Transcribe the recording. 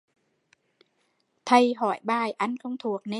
Thầy hỏi bài, anh không thuộc nên bí